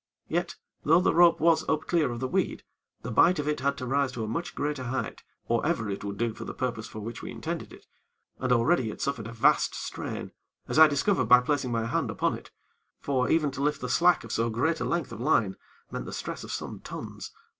Yet, though the rope was up clear of the weed, the bight of it had to rise to a much greater height, or ever it would do for the purpose for which we intended it, and already it suffered a vast strain, as I discovered by placing my hand upon it; for, even to lift the slack of so great a length of line meant the stress of some tons.